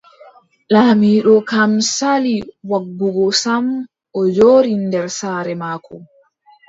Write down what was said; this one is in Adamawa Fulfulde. Laamiiɗo kam sali waggugo sam, o jooɗi nder saare maako.